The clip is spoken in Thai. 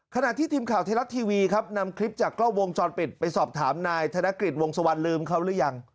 ขณะที่ทีมข่าวไทยรัฐทีวีครับนำคลิปจากกล้องวงจรปิดไปสอบถามนายธนกฤษวงศวรรคลืมเขาหรือยัง